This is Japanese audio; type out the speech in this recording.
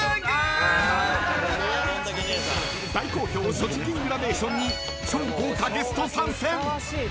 ［大好評所持金グラデーションに超豪華ゲスト参戦］